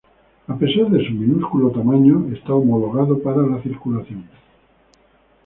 A pesar de su minúsculo tamaño, está homologado para la circulación.